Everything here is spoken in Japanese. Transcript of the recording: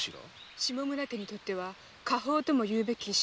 下村家にとっては家宝ともいうべき品。